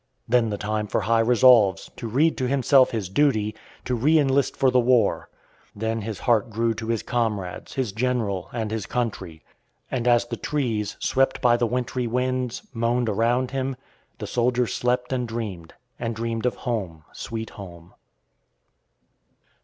Then the time for high resolves; to read to himself his duty; to "re enlist for the war." Then his heart grew to his comrades, his general, and his country; and as the trees, swept by the wintry winds, moaned around him, the soldier slept and dreamed, and dreamed of home, sweet home.